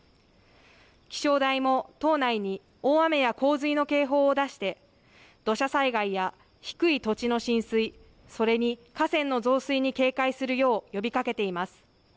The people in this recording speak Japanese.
気象台も島内に大雨や洪水の警報を出して土砂災害や低い土地の浸水それに河川の増水に警戒するよう呼びかけています。